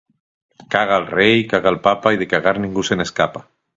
Caga el rei, caga el papa, i de cagar ningú se n'escapa.